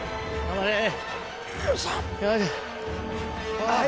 はい！